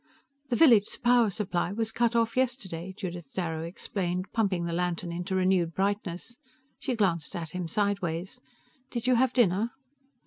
"The village power supply was shut off yesterday," Judith Darrow explained, pumping the lantern into renewed brightness. She glanced at him sideways. "Did you have dinner?"